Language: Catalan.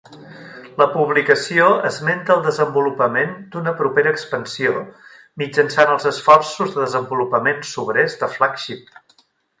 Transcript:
La publicació esmenta el desenvolupament d'una propera expansió, mitjançant els esforços de desenvolupament sobrers de Flagship.